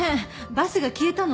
バスが消えたの！